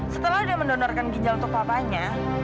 setelah dia mendonorkan ginjal untuk papanya